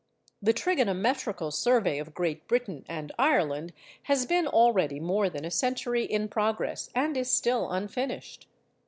The trigonometrical survey of Great Britain and Ireland has been already more than a century in progress, and is still unfinished.